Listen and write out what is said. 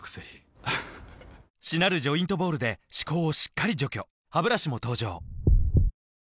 りしなるジョイントボールで歯垢をしっかり除去ハブラシも登場